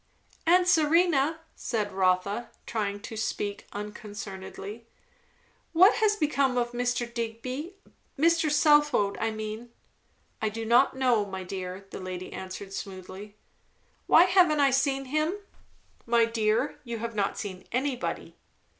"Aunt Serena," said Rotha, trying to speak un concernedly, "what has become of Mr. Digby Mr. Southwode, I mean." "I do not know, my dear," the lady answered smoothly. "Why haven't I seen him?" "My dear, you have not seen anybody.